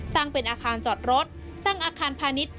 สร้างเป็นอาคารจอดรถสร้างอาคารพาณิชย